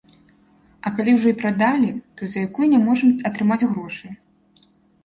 А калі ўжо і прадалі, то за якую не можам атрымаць грошы.